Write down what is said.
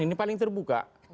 ini paling terbuka